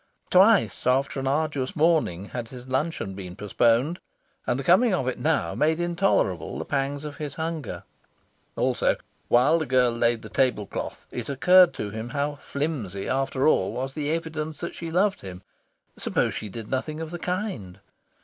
Twice, after an arduous morning, had his luncheon been postponed, and the coming of it now made intolerable the pangs of his hunger. Also, while the girl laid the table cloth, it occurred to him how flimsy, after all, was the evidence that she loved him. Suppose she did nothing of the kind!